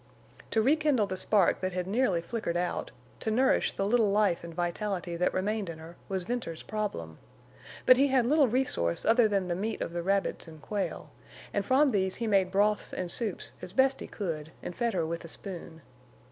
To rekindle the spark that had nearly flickered out, to nourish the little life and vitality that remained in her, was Venters's problem. But he had little resource other than the meat of the rabbits and quail; and from these he made broths and soups as best he could, and fed her with a spoon.